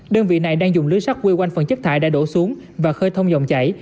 đơn vị này đang dùng lưới sắt quây quanh phần chất thải đã đổ xuống và khơi thông dòng chảy